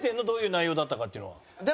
どういう内容だったかっていうのは。